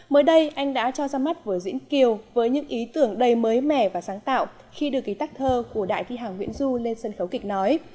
mới đây anh đã cho ra mắt vở diễn kiều với những ý tưởng đầy mới mẻ và sáng tạo khi đưa ký tắc thơ của đại thi hàng nguyễn du lên sân khấu kịch nói